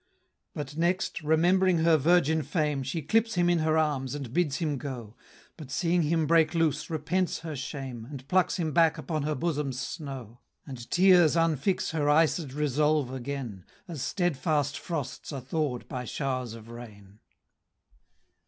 But next, remembering her virgin fame, She clips him in her arms and bids him go, But seeing him break loose, repents her shame, And plucks him back upon her bosom's snow; And tears unfix her iced resolve again, As steadfast frosts are thaw'd by show'rs of rain.